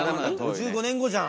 ５５年後じゃん。